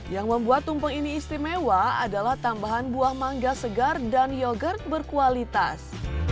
yang membuat tumpeng ini istimewa adalah tambahan buah mangga segar dan yogurt berkualitas